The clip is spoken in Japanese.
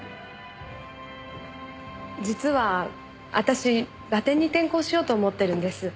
実は私ラテンに転向しようと思ってるんです。